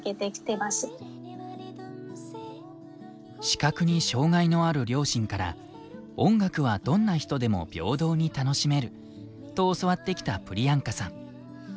視覚に障害のある両親から「音楽はどんな人でも平等に楽しめる」と教わってきたプリヤンカさん。